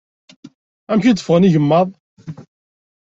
Amek i d-ffɣen yigmaḍ?